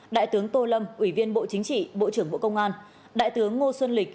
đại tướng tô lâm ủy viên bộ chính trị bộ trưởng bộ công an đại tướng ngô xuân lịch